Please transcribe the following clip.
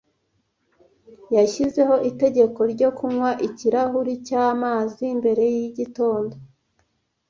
Yashyizeho itegeko ryo kunywa ikirahuri cyamazi mbere yigitondo.